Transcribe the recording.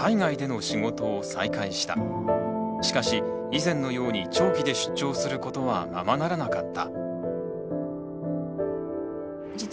しかし以前のように長期で出張することはままならなかった。